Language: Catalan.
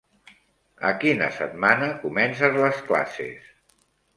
A quina setmana comences les classes?